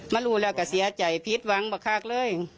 รู้แล้วก็เสียใจผิดหวังมากเลย